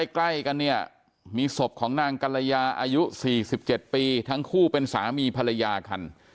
ใกล้กันเนี่ยมีศพของนางกัลยาอายุ๔๗ปีทั้งคู่เป็นสามีภรรยากัน